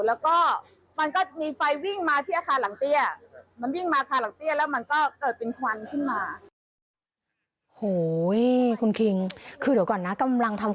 แล้วก็มันก็มีไฟวิ่งมาที่อาคารหลังเตี้ย